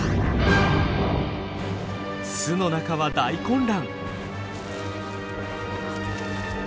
巣の中は大混乱。